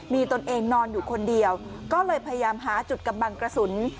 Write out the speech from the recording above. มีตนเองนอนอยู่คนเดียวก็เลยพยายามหาจุดกำบังกระสุน